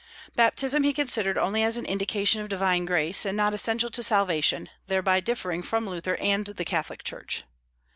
Baptism he considered only as an indication of divine grace, and not essential to salvation; thereby differing from Luther and the Catholic church.